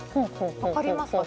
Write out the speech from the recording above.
分かりますか？